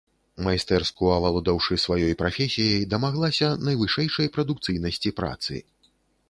Майстэрску авалодаўшы сваёй прафесіяй, дамаглася найвышэйшай прадукцыйнасці працы.